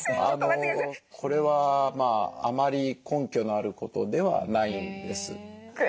これはあまり根拠のあることではないんです。